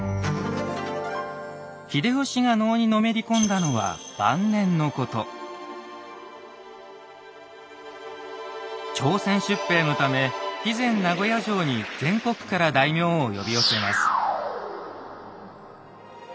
秀吉が能にのめり込んだのは朝鮮出兵のため肥前名護屋城に全国から大名を呼び寄せます。